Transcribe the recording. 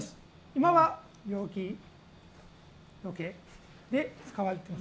今は病気よけで使われてる。